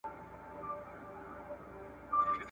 په زندان کي یې آغازي ترانې کړې !.